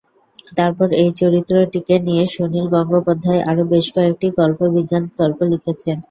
তারপর এই চরিত্রটিকে নিয়ে সুনীল গঙ্গোপাধ্যায় আরও বেশ-কয়েকটি কল্পবিজ্ঞান গল্প লিখেছেন।